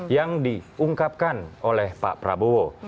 yang diungkapkan oleh pak prabowo